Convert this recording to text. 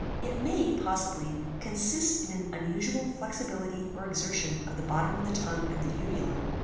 It may, possibly, consist in an unusual flexibility or exertion of the bottom of the tongue and the uvula.